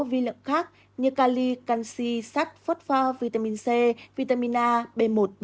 vì lượng khác như cali canxi sát phốt phao vitamin c vitamin a b một b hai